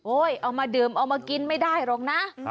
เอามาดื่มเอามากินไม่ได้หรอกนะ